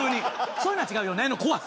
「そういうのは違うよね」の怖さ。